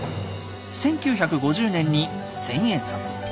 １９５０年に千円札。